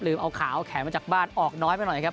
เอาขาวเอาแขนมาจากบ้านออกน้อยไปหน่อยครับ